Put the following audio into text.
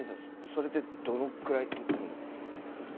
それってどのくらい飲むの？